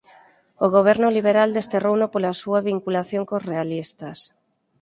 O goberno liberal desterrouno pola súa vinculación cos realistas.